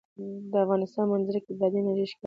د افغانستان په منظره کې بادي انرژي ښکاره ده.